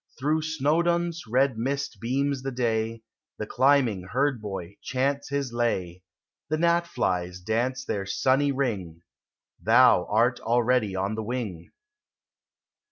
Through Snowdon's mist ml beams the day, The climbing herd boy chants his lay, The gnat flies dance their sunny ring, — Thou art already on the wing.